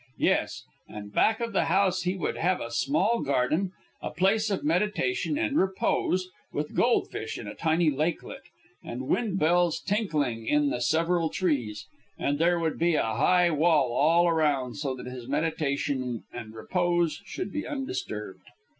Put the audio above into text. Yes, and back of the house he would have a small garden, a place of meditation and repose, with goldfish in a tiny lakelet, and wind bells tinkling in the several trees, and there would be a high wall all around so that his meditation and repose should be undisturbed.